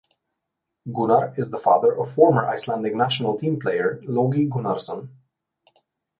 Gunnar is the father of former Icelandic national team player Logi Gunnarsson.